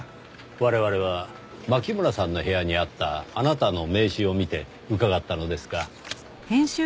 我々は牧村さんの部屋にあったあなたの名刺を見て伺ったのですが。